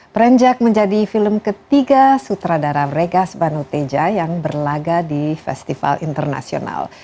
perenjak menjadi film ketiga sutradara regas banuteja yang berlaga di festival internasional